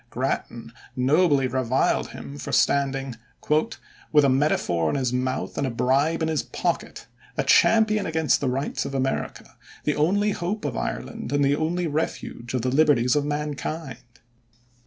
Grattan nobly reviled him for standing "with a metaphor in his mouth and a bribe in his pocket, a champion against the rights of America, the only hope of Ireland and the only refuge of the liberties of mankind."